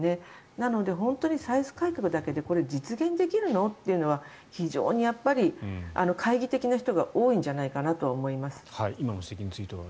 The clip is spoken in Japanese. なので、本当に歳出改革だけで実現できるの？というのは非常に懐疑的な人が多いんじゃないかなと思います。